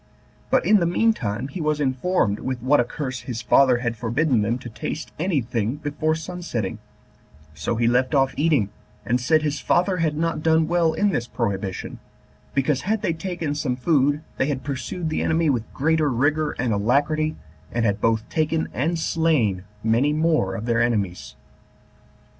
But, in the mean time, he was informed with what a curse his father had forbidden them to taste any thing before sun setting: so he left off eating, and said his father had not done well in this prohibition, because, had they taken some food, they had pursued the enemy with greater rigor and alacrity, and had both taken and slain many more of their enemies.